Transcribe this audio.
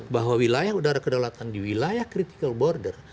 bahwa wilayah udara kedaulatan di wilayah critical border